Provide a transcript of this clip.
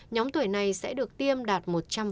nhóm tuổi này sẽ được tiêm đạt một trăm linh